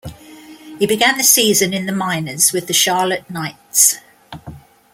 He began the season in the minors with the Charlotte Knights.